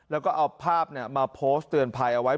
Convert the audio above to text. แล้วก็เอาภาพมาโพสต์เตือนภัยเอาไว้